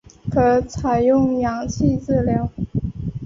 可采用氧气治疗。